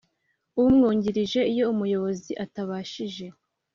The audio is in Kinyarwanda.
Umwungirije iyo umuyobozi atabashije